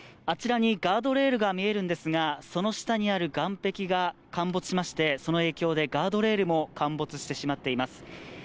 あちらにガードレールが見えるんですが、その下にある岸壁が陥没しましてその影響でガードレールも陥没してしまっています。